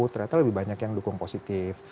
ternyata lebih banyak yang dukung positif